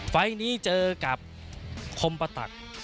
ไฟล์นี้เจอกับคมปะตัก